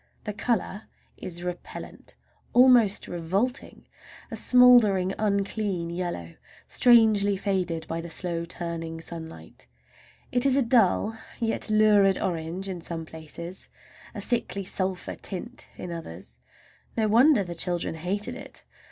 The color is repellant, almost revolting; a smouldering, unclean yellow, strangely faded by the slow turning sunlight. It is a dull yet lurid orange in some places, a sickly sulphur tint in others. No wonder the children hated it!